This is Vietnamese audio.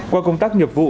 qua công tác nhập vụ